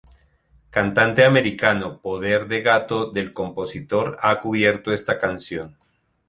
Cantante americano-Poder de Gato del compositor ha cubierto esta canción.